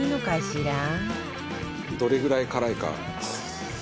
どれぐらい辛いか。